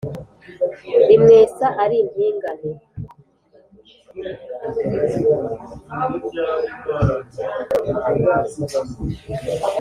Rimwesa ari impingane